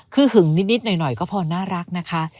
คือหึงนิดหน่อยก็พอน่ารักนะคะ